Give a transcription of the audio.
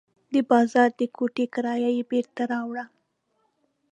د بازار د کوټې کرایه یې بېرته راوړه.